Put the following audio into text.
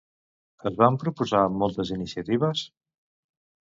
Es van proposar moltes iniciatives?